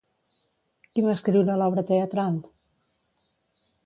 Qui va escriure l'obra teatral?